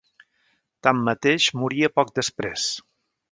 Tanmateix, moria poc després.